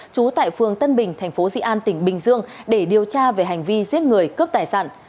trú tại phường tân bình tp di an tỉnh bình dương để điều tra về hành vi giết người cướp tài sản